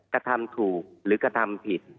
กระทำถูกหรือกระทำผิด